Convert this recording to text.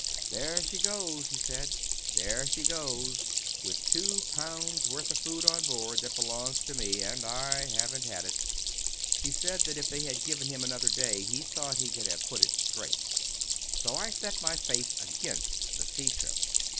"There she goes," he said, "there she goes, with two pounds' worth of food on board that belongs to me, and that I haven't had." He said that if they had given him another day he thought he could have put it straight. So I set my face against the sea trip.